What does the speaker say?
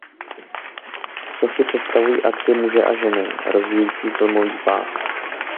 Sochy představují akty muže a ženy rozvíjející filmový pás.